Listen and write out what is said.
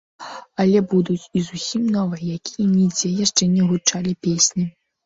Але будуць і зусім новыя, якія нідзе яшчэ не гучалі песні.